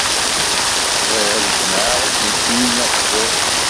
Bɣiɣ ad jemɛeɣ aselkim-inu aqbur.